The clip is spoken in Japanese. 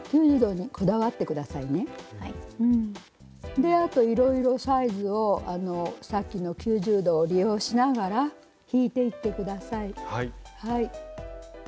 であといろいろサイズをさっきの９０度を利用しながら引いていって下さい。